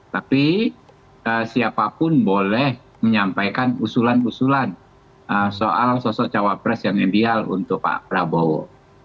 tapi siapapun boleh menyampaikan usulan usulan soal sosok cawapres yang ideal untuk pak prabowo